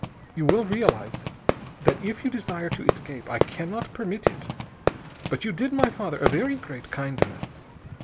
You will realize that if you desire to escape, I cannot permit it. But you did my father a very great kindness.